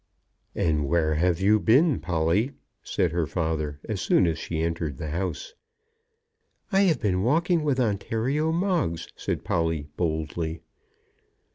"And where have you been, Polly?" said her father, as soon as she entered the house. "I have been walking with Ontario Moggs," said Polly boldly.